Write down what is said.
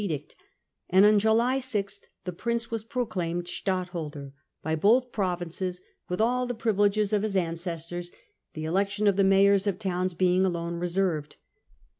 Edict ; and on J uly 6 the Prince was proclaimed Stadtholder by both provinces, with all the privileges of his ancestors, the election of the mayors of towns being alone reserved.